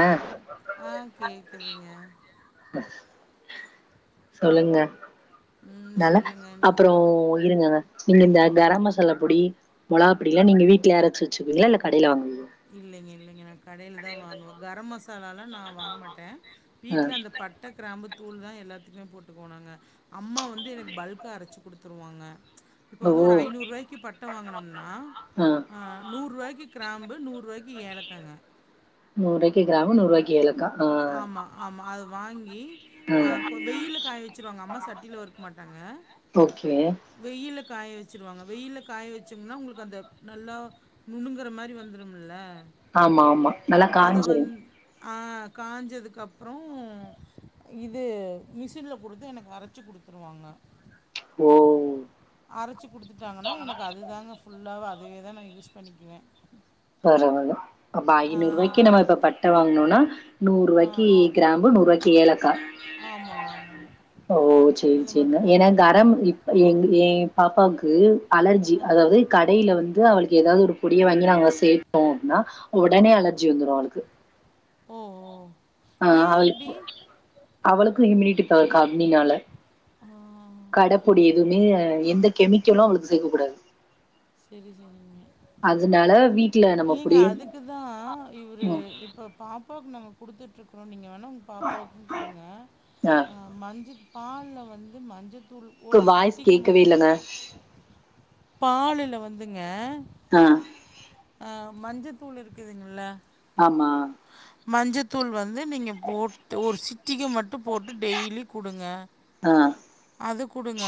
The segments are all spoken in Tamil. ஆ ஆ கேக்குதுங்க அ சொல்லுங்க ம் நல்ல சொல்லுங்க நீ அப்பறோ இருங்கங்க நீங்க இந்த கரம் மசாலா பொடி மொளகா பொடி எல்லா நீங்க வீட்ல அரச்சு வச்சுக்குவீங்களா இல்ல கடையில வாங்குவீங்க இல்லைங்க இல்லைங்க நா கடையில தா வாங்குவே கர மசால்லா நா வாங்க மாட்டே வீட்ல அந்த பட்ட கிராம்பு தூள்தா எல்லாத்துமே போட்டுக்குவோ நாங்க அம்மா வந்து எனக்கு பல்கா அரச்சு குடுத்துருவாங்க இப்ப ஆ வந்து ஓ ஒரு ஐநூற் ரூவாய்க்கு பட்ட வாங்குனம்னா ஆ அ நூற் ரூவாய்க்கி கிராம் ம்பு நூற் ரூவாக்கி ஏலக்காங்க நூற் ரூவாக்கி கிராம்பு நூற் ரூவாக்கி ஏலக்கா ஆ ஆமா ஆமா அது வாங்கி ஆ கோ வெயில்ல காய வச்சுருவாங்க அம்மா சட்டில வருக்க மாட்டாங்க ஓகே வெயில்ல காய வச்சுருவாங்க வெயில்ல காய வச்சம்னா உங்களுக்கு அந்த நல்லா நுணுங்குற மாரி வந்துரும்ல ஆமா ஆமா நல்லா அத காஞ்சிரு வந் அ காஞ்சதுக் அப்றோ இது மிஷின்ல குடுத்து எனக்கு அரச்சு குடுத்துருவாங்க ஓ அரச்சு குடுத்துட்டாங்கனா எனக்கு அதுதாங்க ஃபுல்லாவு அதேதா நா யூஸ் பண்ணிக்குவே பரவால்ல அப்ப ஐநூற் ரூவாய்க்கி நம்ம இப்ப பட்ட வாங்குனோனா நூற் ஆ. ருவாய்க்கி கிராம்பு நூற் ரூவாய்க்கி ஏலக்கா ஆமாங்க, ஆமாங்க. ஓ செரி இத செரிங்க மட்டும் போட்டு ஏனா விட்டீங்கன்னா கரம் நல்லா இப்ப எங்க ஏ பாப்பாவுக்கு அலர்ஜி ஆ. அதாவது கடையில வந்து அவளுக்கு எதாவது ஒரு பொடிய வாங்கி நாங்க ச மைப்போ அப்டினா ஒடனே அலர்ஜி வந்துரு அவளுக்கு ஓ ஓ ஆ ஏன் அப்டி? அவளுக்கு அவளுக்கு இமினிட்டிப் அவளுக் கம்மினால ஆ. கடப் பொடி எதுவுமே எந்தக் கெமிக்கலு அவளுக்கு சேக்க கூடாது செரி செரிங்க அதனால வீட்ல நம்ம ஏங்க பொடி அதுக்கு தா இவுரு ம். இப்போ பாப்பாக்கு நாங்க குடுத்துட்ருக்றோ நீங்க வேணா உங்க பாப்பாக்கு குடுங்க ஆ. அ மஞ்சு பால்ல வந்து மஞ்சத்தூள் க்கு ஒரு வாய்ஸ் சிட்டிக மட் கேக்கவே இல்லங்க பாலுல வந்துங்க ஆ அ மஞ்சத்தூள் இருக்குதுங்கல்ல ஆமா மஞ்சத்தூள் வந்து நீங்க போட் ஒரு சிட்டிக மட்டு போட்டு டெய்லி குடுங்க ஆ. அது குடுங்க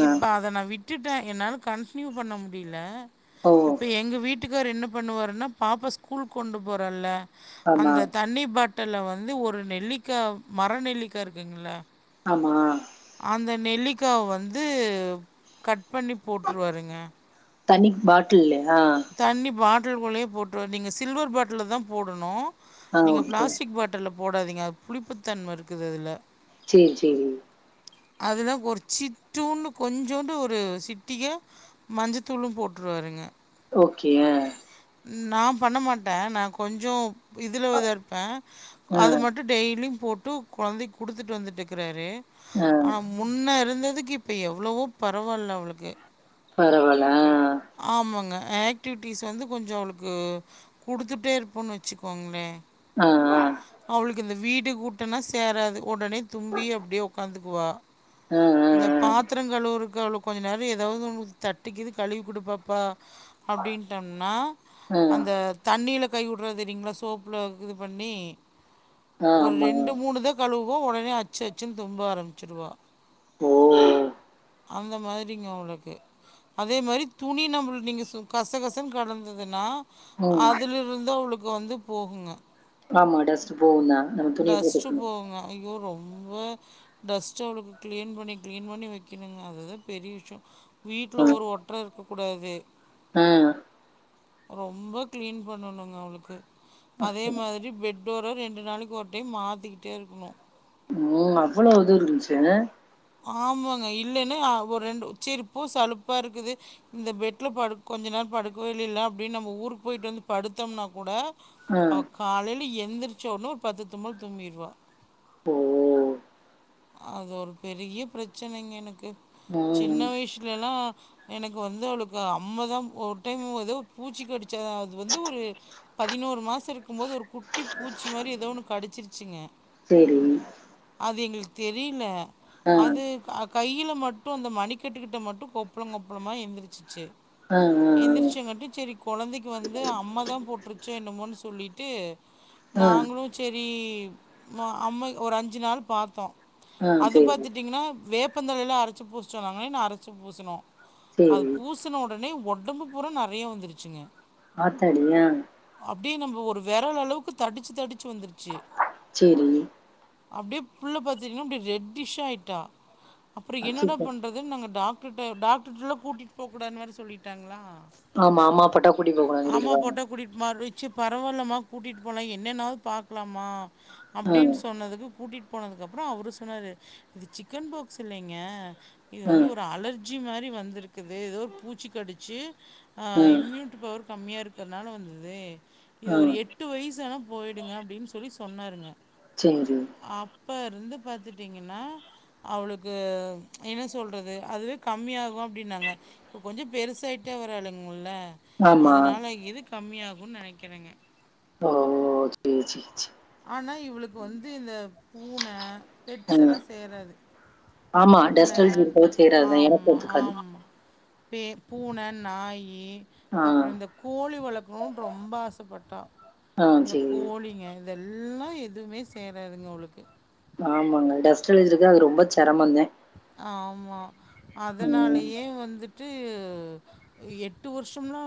ஆ. இப்ப அத நா விட்டுட்டே என்னால கன்டினியூ பண்ண முடில ஓ! இப்ப எங்க வீட்டுக்கார் என்ன பண்ணுவாருன்னா பாப்பா ஸ்கூல் கொண்டு போறல்ல ஆமா. அந்த தண்ணி பாட்டல்ல வந்து ஒரு நெல்லிக்கா மர நெல்லிக்கா இருக்குங்கல்ல ஆமா அந்த நெல்லிக்காவ வந்து கட் பண்ணி போட்ருவாருங்க தண்ணி பாட்டில்லய்யா தண்ணி பாட்டல்குள்ளயே போட்ருவாரு நீங்க சில்வர் பாட்டில் தா போடனு ஆ. நீங்க ஓகே. பிளாஸ்டிக் பாட் டல்ல போடாதீங்க அது புளிப்புத்தன்ம இருக்குது அதுல சேர் சேரி அதுதா ஒரு சிட்டூன்டு கொஞ்சோன்டு ஒரு சிட்டிக மஞ்சத்தூளு போட்ருவாருங்க ஓகே நா பண்ண மாட்டே நா கொஞ்சொ இதுலவுதா இருப்பே ஆ. அது மட்டு டெய்லி போட்டு கொழந்தைக் குடுத்துட்டு வந்துட்டுக்கிறாரு ஆ. ஆனா முன்ன இருந்ததுக்கு இப்ப எவ்ளவோ பரவால்ல அவளுக்கு பரவால்ல ஆ ஆமாங்க ஆக்டிவிட்டீஸ் வந்து கொஞ்சொ அவளுக்கு குடுத்துட்டே இருப்போன் வச்சுக்கோங்ளே ஆ. அவளுக்கு இந்த வீட கூட்டுனா சேராது ஒடனே தும்பி அப்டியே ஒக்காந்துக்குவா ஆ. ஆ. ஆ. இந்த பாத்திரங் கழுவுறக்கு அவள கொஞ்ச நேர எதாவ்து ஒன்னு தட்டிக்கிது கழுவி குடு பாப்பா அப்டின்ட்டம்னா ஆ. ஆ. அந்த ஆ. தண்ணீல கை வுட்றா தெரியுங்ளா சோப்புல இது பண்ணி ஒரு ஆமா. ரெண்டு மூணு தா கழுவுவா ஒடனே அச்சு அச்சுன் தும்ப ஆரம்பிச்சுருவா ஓ அந்த மாதிரிங்க அவளுக்கு அதே மாரி துணி நம்மள் நீங்க சொ கசகசன் கடந்ததுன்னா ம். அதுலெருந்து அவளுக்கு வந்து போகுங்க ஆமா டஸ்ட்டு போவுந்தா டஸ்ட்டு போவுங்க ஐயோ ரொம் ப டஸ்ட்டு அவளுக்கு கிளீன் பண்ணி கிளீன் பண்ணி வக்கெனுங்க அதுதா பெரிய விஷ்யொ ஆ. வீட்ல ஒரு ஒட்ற இருக்கக்கூடாது ஆ ரொம்ப கிளீன் பண்ணணுங்க அவளுக்கு அதே மாதிரி பெட் டோர ரெண்டு நாளைக்கி ஒரு டைம் மாத்திக்கிட்டே இருக்கனு ம் அவ்வளோ இது இருன்ச்சு ஆமாங்க இல்லைனா ஒர் ரெண்டு செரி போ சலுப்பா இருக்குது இந்த பெட்ல படு கொஞ்ச நேர படுக்கவே இல்லைல அப்டின் நம்ம ஊருக் போயிட்டு வந்து படுத்தோம்னா கூட ஆ. அவ காலைல எந்திரிச்சோன ஒரு பத்து தும்மல் தும்மிருவா ஓ அது ஒரு பெரிய பிரச்சனைங்க எனக்கு ம். சின்ன வயசு லெல்லா எனக்கு வந்து அவளுக்கு அம்ம தா ஒரு டைம் எதோ பூச்சி கடிச்சதா அது வந்து ஒரு பதினோரு மாச இருக் கும்போது ஒரு குட்டி பூச்சி மாரி எதோ ஒன்னு கடிச்சிச்சிரருங்க சரி. அது எங்குளுக்கு தெரியல ஆ. அது கா கையில மட்டு அந்த மணிக்கட்டுக்கிட்ட மட்டு கொப்பளம் கொப்பளமா எழுந்திரச்சிச்சு ஆ. ஆ. எந்திரிச்ச மட்டு செரி கொழந்தைக்கு வந்து அம்மா தா போட்டுருச்சோ என்னமோன்னு சொல்லிட்டு ஆ. ஆ. நாங்களு செரி அம்மை ஒரு அஞ்சு நாள் பாத்தோ ஆ. அது சரி, பாத்துட்டீங்கனா வேப்பந்தலையெல்லா அரைச்சி பூஸ்சொன்னாங்களேன்னு அரைச்சி பூசணோ அது சரி. பூசன உடனே உடம்பு பூற நெறையா வந்துருச்சுங்க ஆத்தடியா அப்டியே நம்ம ஒரு விரல அளவுக்கு தடிச்சு தடிச்சு வந்துருச்சி செரி அப்புடியே புள்ள பாத்தீங்னா அப்டி ரெட்டிஷ் ஆயிட்டா அப்புற என்னடா அச்சச்சோ! பண்ற துன்னு நாங்க டாக்டர்ட்ட டாக்டர்ல கூட்டிட்டு போக் கூடாதுன்னு வேற சொல்லிட்டாங்களா ஆமா அம்மா போட்டா கூட்டிட் போக்கூடாதுன் சொல்லிடுவாங்க கூட்டிட்டு மாருச்சி பரவால்லமா கூட்டிட்டு போலா என்னென்னாவது பாக்லாமா ஆ, அப்டின்னு சொன்னதுக்கு கூட்டிட்டு போனதுக்கப்புறோ அவுரு சொன்னாரு இது சிக்கன் பாக்ஸ் இல்லைங்க இது ஆ, வந்து ஒரு அலர்ஜி மாரி வந்திருக்குது ஏதோ ஒரு பூச்சி கடிச்சு ஆ இம்யூனிட் டிபவர் கம்மியா இருக்கிறதுனால வந்தது இது ஆ. ஒரு எட் டு வயசு ஆனா போயிடுங்க அப்டின் சொல்லி சொன்னாருங்க செரி அப்ப இருந்து பாத்துட்டீங்கனா அவளுக்கு என்ன சொல்றது அதுவே கம்மிய ஆகு அப்டின்னாங்க இப்ப கொஞ்ச பெருசாயிட்டே வராளுங்கல்ல ஆமா. அதனால இது கம்மியாகுன்னு நெனைக்கிறேங்க ஓ! சரி, சரி, சரி. ஆனா‌ இவளுக்கு வந்து இந்த பூனை ஆ. பெட்ஸ்ஸொல்லா சேராது ஆமா பூனை டஸ்ட்லர்ஜ்ஜி இருக்கவங்ளுக்கு சேராத்தா எனக்கு ஆமா, ஒத்துக்காது ஆமா. பே பூனை நாயி ஆ, அப்பறோ இந்த கோழி வளக்கணுன் ரொம்ப ஆசைப்பட்டா ஆ அந்த சரி. கோழிங்க இதெல்லா எதுமே சேராதுங்க அவுளுக்கு ஆமாங்க டஸ்ட்லர்ஜி‌ இருக்கா அது ரொம்ப செரமொங்க ஆமா ம், அதனாலயே வந்துட் டு எட்டு வருஷம்லா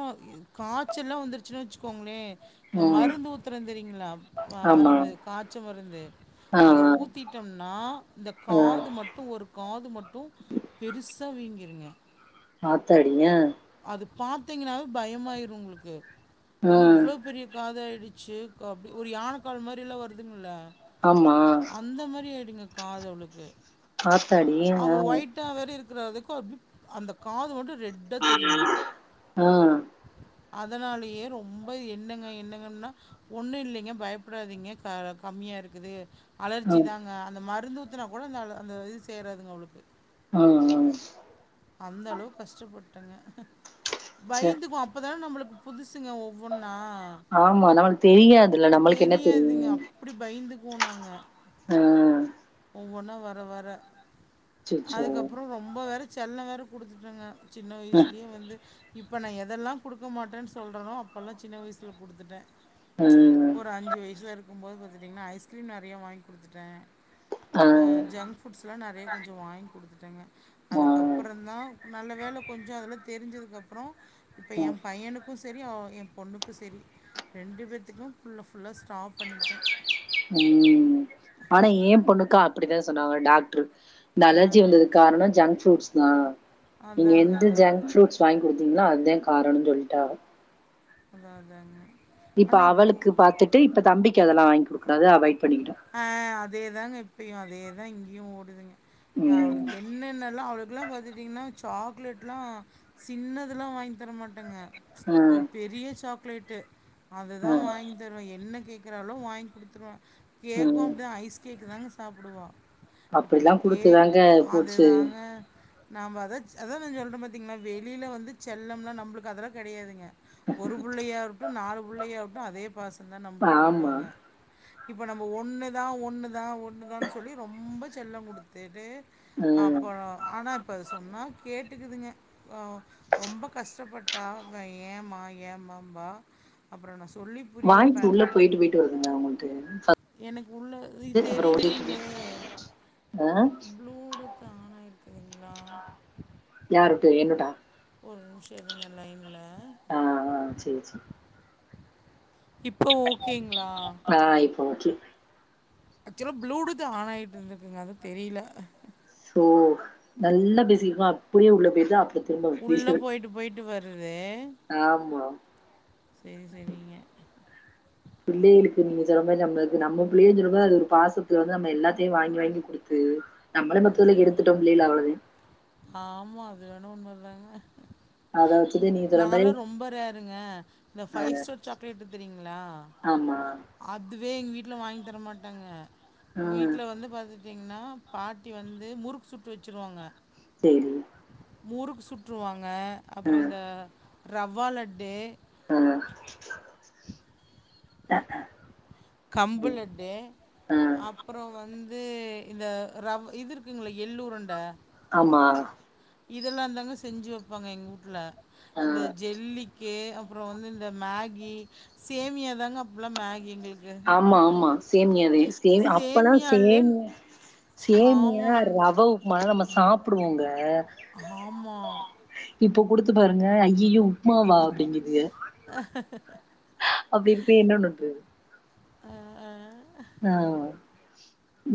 காய்சல்லா வந்துருச்சுன்னு வெச்சுக்கோங்களே இந்த ம். மருந்து ஊத்துற தெரியீங்களா ஆமா. மருந்து காய்ச்ச மருந்து ஆ, அத ஆ, ஊத்திட்டம்னா இந்த ஆ. காது மட்டு ஒரு மட்டு பெருசா வீங்கிருங்க ஆத்தாடி ஏ அது பாத்தீங்ன்னாவே பயமாயிரூ உங்குளுக்கு ஆ. ன்ன இவ்ளோ பெரிய காத ஆயிடுச்சு அப்டி ஒரு யானைக்கால் மாரில்லா வருதுங்கல்ல ஆமா. அந்த மாரி அயிடுங்க காது அவுளுக்கு ஆத்தாடி ஆ குண்டா வேற இருக்கிறதுக்கு அப்டி அந்த காது மட்டு ரெட்டா தெரியுங்க ஆ, ஆ, அதனாலயே ரொம்ப என்னங்க என்னங்கன்னா ஒண்ணு இல்லிங்க பயப்படாதீங்க கம்மியா இருக்குது ஆ, அலர்ஜி தாங்க அந்த மருந்து ஊத்துனா கூட அந்த அந்த இது சேறாதுங்க அவளுக்கு ஆன் ஆன் அந்த அளவு கஷ்டப்பட்டங்க ச்சே! பய்ந்துக்வோ அப் இப்பதா நம்மளுக்கு புதுசுங்க ஓ ஆமா நம்மளுக்கு தெரியாதுல நம்மளுக் என்ன தெரியும் அப்டி பயந்துக்வோ நாங்க அ ம் ஒவ்வொன்னா வர வர அச்சச்சோ அதுக்கப்பறம் ரொம்ப வேற செல்லம் வேற குடுத்துட்டங்க சின்ன ம் வய்சுலயே வந்து இப்போ நா எதெல்லாம் குடுக்க மாட்டேன்னு சொல்கிறேனோ அப்போல்லாம் சின்ன வயசில குடுத்துட்டேன் ம் ஒரு அஞ்சு வயசா இருக்கும் போது பாத்துட்டிங்கன்னா ஐஸ்கிரீம் நெறைய வாங்கி குடுத்துட்டேன் ஆ ஆ அ ஜங்க் ஃபுட்ஸ்லா நெறைய கொஞ்சம் வாங்கி குடுத்துட்டங்க ம் அதுக்கப்பறம் தான் நல்ல வேல கொஞ்சோ அதலா தெரிஞ்சதுக்கப்பறம் இப்போ என் பையனுக் க்கும் செரி என் பொண்ணுக்கு செரி ரெண்டு பேத்துக்கும் ஃபுல்ல ஃபுல்லா ஸ்டாப் பண்ணிட்டேன் ம் ஆனா ஏன் பொண்ணுக்கு அப்டி தா சொன்னாங்க டாக்ட்ரு இந்த அ அலர்ஜி வந்தது காரணம் ஜங்க் ஃபுட்ஸ் தா நீங்க அதாங்க எந்த அதான். ஜங்க் ஃப்ரூட்ஸ் வாங்கி குடுத்தீங்களோ அதுதா காரணனு சொல்ட்டாங்க அதா அதாங்க இப்ப ஆனா இப்போ அவளுக்கு பாத்துட்டு இப்ப தம்பிக்கு அதெல்லா வாங்கி கொடுக்கறத அவாய்ட் பண்ணிட்டே அ அதேதாங்க இப்பயு அதே தா இங்கயு ஓடுதுங்க ம் அவளுக் என்னன்னல்லா அவளுக்குல்லா பாத்துட்டீங்ன்னா சாக்லேட்லா சின்னதுலா வாங்கி தரமாட்டேங்க ஒரு ம் பெரிய சாக்லேட்டு அததா ம் வாங்கி தருவே என்ன கேக்குறாலோ வாங்கி குடுத்துருவன் கேக்கும் ம் அப்டிதா ஐஸ் கேக் தாங்க சாப்டுவா அப்டிலா குடுத்து தாங்க போச்சி அதுதாங்க நாம அதா அதான் நா சொல்றன் பாத்தீங்கன்னா வெளியில வந்து செல்லம்னா நம்ளுக்கு அதெல்லா கெடையாதுங்க ஒரு புள்ளையாவுட்டு நாலு புள்ளையாவுட்டு அதே பாசந்தா நம்மளுக்கு ஆமா குடுப்பாங்க இப்ப நம்ம ஒண்ணுதா ஒண்ணுதா ஒண்ணுதான்னு சொல்லி ரொம்ப செல்லம் குடுத்துட்டு ம் அப்பறோம் ஆனா இப்ப சொன்னா கேட்டுக்குதுங்க அ ரொம்ப கஷ்டப்பட் டா ஏமா ஏமாம்பா அப்றோ நா சொல்லிப் வாய்ஸ்ஸு உள்ள போயிட்டு போயிட்டு வருதுங்க உங்களுக்கு எனக்கு உள்ள ஃபஸ்ட்டு அப்றோ தெரிலிங்ளே ஆ ப்ளூடூத் தானா இருக்றீங்ளா யாருட்டு என்னுட்டா ஒரு நிம்ஷம் இருங்க லைன்ல ஆ ஆ சேர் சேர் இப்போ ஓகேங்ளா ஆன் இப்ப ஓகே ஆக்சுவலோ ப்ளூடூத் ஆன் ஆகிட்டு இருந்துக்குங்க அதா தெரில சோ நல்லா பேசிருக்கோம் அப்டியே உள்ள போய்ட்டு அப்டி உள்ள போயிட்டு போயிட்டு வருது ஆமா சேர் சேரிங்க பிள்ளைகளுக்கு நீங்க சொன்ன மாரி நம்மளுக்கு நம்ம பிள்ளையு சொல்லும்போது அது ஒரு பாசத்துல வந்து நம்ம எல்லாத்தையு வாங்கி வாங்கி குடுத்து நம்மளே மொத்தத்துல்ல கெடுத்துட்டோ பிள்ளைகள அவ்ளோதே ஆமா அது வேணா உண்ம தாங்க அத இன் வச்சுட்டு நீங்க சொல்ற மாரி நாலா ரொம்ப ரேருங்க இந்த அ ஃபைவ் ஸ்டார் சாக்லேட் தெரியுங்ளா ஆமா அதுவே எங்க வீட்ல வாங்கி தரமாட்டாங்க ம். வீட்ல வந்து பாத்து ட்டீங்னா பாட்டி வந்து முறுக்கு சுட்டு வச்சுருவாங்க சேரி முறுக்கு சுற்றுருவாங்க அப்பறோ ம். இந்த ரவா லட்டு ஆ அ. கம்பு லட்டு அ. அப்பறோ வந்து இந்த ரவ் இது இருக்குங்கள எல்லுருண்ட ஆமா இதெல்லாந்தாங்க செஞ்சு வெப்பாங்க எங்க வூட்ல அ. இந்த ஜெல்லிக்கே அப்பறோ வந்து இந்த மேகி சேமியா தாங்க அப்பலா மேகி எங்களுக் ஆமா ஆமா சேமியாதே சே அப்பல்லா சேமியாலே சேமியா சேமியா ஆமாங்க. ரவ உப்மால நம்ம சாப்புடுவோங்க ஆமா இப்ப குடுத்து பாருங்க அய்யய உப்மாவா அப்டிங்கிதுக அப்டி இருப்ப என்னன்னுது அ, ஆ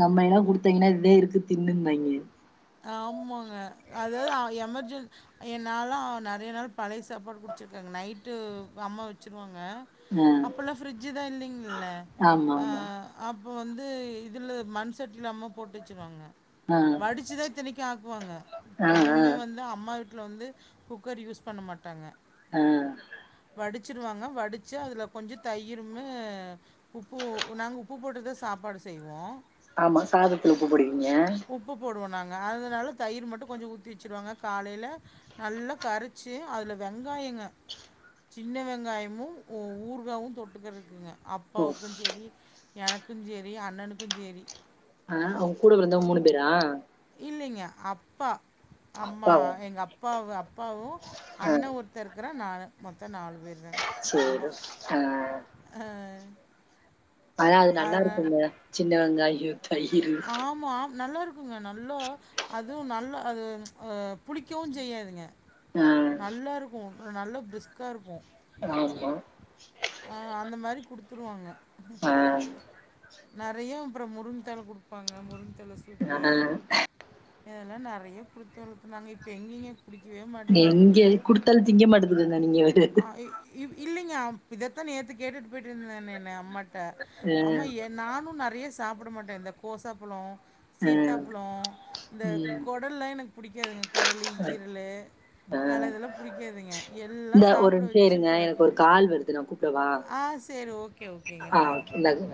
நம்ம என்னா அ. குடுத்தீங்கன்னா இதே இருக்கு திண்ணும்பாய்ங்க ஆமாங்க அதாவது எமர்ஜென் ஏ நாலா நெறைய நாள் பழைய சாப்பாடு குடுச்சுருக்கேங்க நைட்டு அம்மா வச்சுருவாங்க ஆ. அப்பல்லா ஃபிரிட்ஜு தா இல்லைங்கல்ல ஆமா, அ ஆமா. அப்ப வந்து இதுல மண் சட்டில அம்மா போட்டு வச்சுருவாங்க ஆ சிதாய்தன்னைக்கி ஆக்குவாங்க ஆ, ஆ, இன்னுமே வந்து அம்மா வீ வீட்ல வந்து குக்கர் யூஸ் பண்ண மாட்டாங்க அ வடுச்சுருவாங்க வடுச்சு அதுல கொஞ்சொ தயிரும்மு உப்பு நாங்க உப்பு போட்டுதா சாப்பாடு செய்வோ ஆமா சாதத்துல உப்பு போடுவீங்க உப்பு போடுவோ நாங்க அதுனால தயிர் மட்டு கொஞ்ச ஊத்தி வச்சுருவாங்க காலேல நல்லா கரைச்சு அதுல வெங்காயங்க சின்ன வெங்காயமு ஊ ஊர்காவு தொட்டுக்கறக்குங்க ஓ! அப்பாவுக்கு சேரி எனக்கு சேரி அண்ணனுக்கு சேரி அ ஒங்க கூட பொறந்தவங்க மூணு பேரா இல்லைங்க அப்பா அம்மா அப்பாவா? எங்க அப்பாவு அப்பாவு ஆ. அண்ணே ஒரு த்த இருக்கறா நானு மொத்த நாலு பேர் தாங்க சேரி அ அ ஆனா அது நல்லா இருக்குங்க சின்ன வெங்காயோ தயிரு ஆம் நல்லா இருக்குங்க நல்லா அதுவு நல்லா அது ஆ புளிக்கவு செய்யாதுங்க ஆ நல்லா இருக்கு நல்ல பிரிஸ்க்கா இருக்கு ராமா ஆ அந்த மாரி குடுத்துருவாங்க ஆ நறைய அப்புறம் முருங்க தல குடுப்பாங்க முருங்க தல சூப்பு ஆனா இதெல்லா நறைய புடுத்து வளர்த்தனாங்க இப்ப எங்கிங்க குடிக்கவே மாட் நெங்கள் குடுத்தால் திங்க மாட்டுதுன்னா நீங்க வ ஆ இ வ் இல்லீங்க அம் இதத்த நீ ஏத்து கேட்டுட்டு போயிட்டு இருந்த நானே என்ன அம்மாட் த ஆ ஆமா நானு நறைய சாப்ட மாட்ட இந்த கோசாப்பழோ இந்த ஆ சித்தா பழோ இந்த ம் குடல்லா எனக்கு பிடிக்காதுங்க குடலு ஆ ஈரலு ஆ. தல இதெல்லா புடிக்காதுங்க எல்லா இந்த ஒரு சாப்ட நிமிஷோ வச்சு இருங்க எனக்கு பழக்கிட்ட ஒரு கால் வருது நா கூப்டவா ஆ சேரி ஓகே ஓகேங்க ஆ ஓகே பாருங்க இந்தாங்க